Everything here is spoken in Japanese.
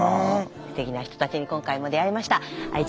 すてきな人たちに今回も出会えました。